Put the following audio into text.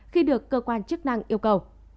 khi được cơ quan chức năng yêu cầu